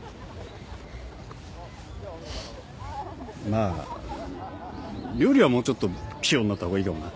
まあ料理はもうちょっと器用になった方がいいかもな。